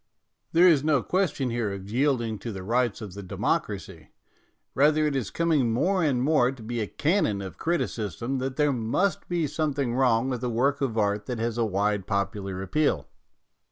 There is no question here of yielding to the rights of the democracy ; rather it is coming more and more to be a canon of criticism that there must be something wrong with a work of art that has a wide popular appeal.